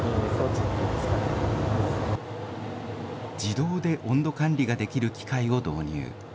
自動で温度管理ができる機械を導入。